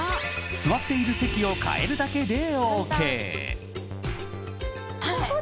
座っている席を変えるだけでＯＫ。